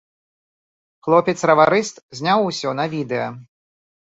Хлопец-раварыст зняў усё на відэа.